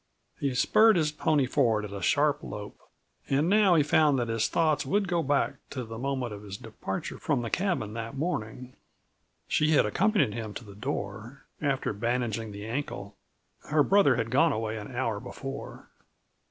He spurred his pony forward at a sharp lope. And now he found that his thoughts would go back to the moment of his departure from the cabin that morning. She had accompanied him to the door, after bandaging the ankle. Her brother had gone away an hour before.